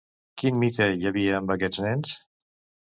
Quin mite hi havia amb aquests nens?